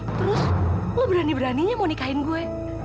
terus lo berani beraninya mau nikahin gue